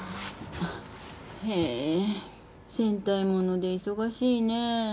へえ戦隊物で忙しいねぇ。